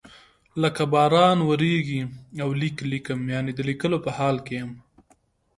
لکه باران وریږي او لیک لیکم یعنی د لیکلو په حال کې یم.